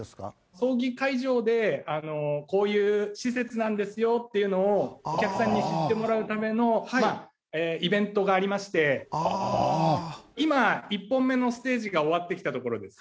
葬儀会場でこういう施設なんですよっていうのをお客さんに知ってもらうためのイベントがありまして今１本目のステージが終わって来たところです。